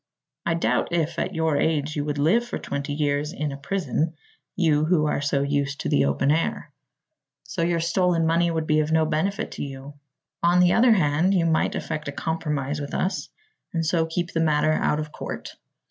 I doubt if, at your age, you would live for twenty years in a prison you who are so used to the open air. So your stolen money would be of no benefit to you. On the other hand, you might effect a compromise with us and so keep the matter out of court.